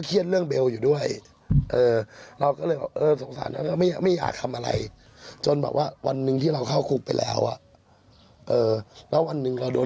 เดี๋ยวลองฟังเสียงตีดู